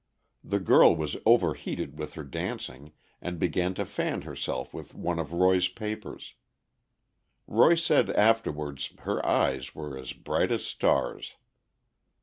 The girl was overheated with her dancing, and began to fan herself with one of Roy's papers; Roy said afterwards her eyes were as bright as stars.